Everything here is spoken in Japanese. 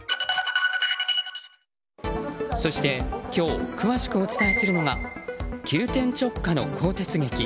そして今日詳しくお伝えするのが急転直下の更迭劇